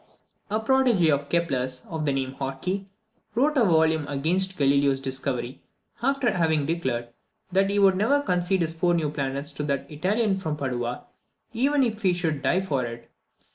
A protegé of Kepler's, of the name of Horky, wrote a volume against Galileo's discovery, after having declared, "that he would never concede his four new planets to that Italian from Padua, even if he should die for it."